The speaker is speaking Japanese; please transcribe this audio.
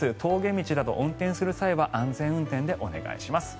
峠道など運転する際は安全運転でお願いします。